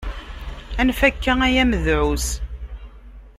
Anef akka ay amedεus!